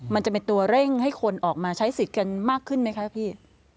มันจะเป็นตัวเร่งให้คนออกมาใช้สิทธิ์กันมากขึ้นไหมคะพี่